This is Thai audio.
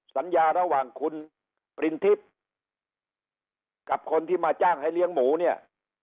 สัญญาระหว่างคุณปริณทิพย์กับคนที่มาจ้างให้เลี้ยงหมูเนี่ย